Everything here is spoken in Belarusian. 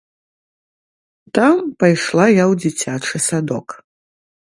Там пайшла я ў дзіцячы садок.